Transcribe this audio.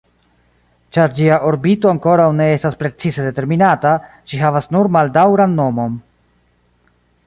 Ĉar ĝia orbito ankoraŭ ne estas precize determinata, ĝi havas nur maldaŭran nomon.